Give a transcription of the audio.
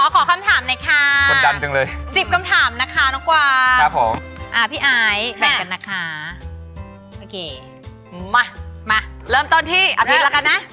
ขอคำถามหน่อยค่ะสิบคำถามนะคะต้องกว่าพี่ไอ้แบ่งกันนะคะมาเริ่มต้นที่อภิษย์แล้วกันนะ